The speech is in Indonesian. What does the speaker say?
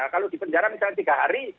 kalau di penjara misalnya tiga hari